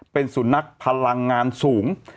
เป็นสุนัขพลังงานสูง